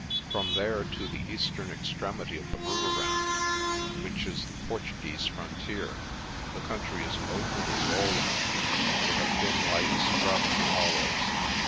From there to the eastern extremity of the Rooirand, which is the Portuguese frontier, the country is open and rolling, with a thin light scrub in the hollows.